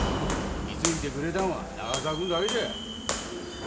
居着いてくれたんは永沢君だけじゃ。